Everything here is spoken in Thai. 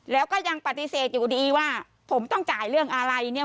แล้วก็ยังปฏิเสธอยู่ดีว่าผมต้องจ่ายเรื่องอะไรเนี่ย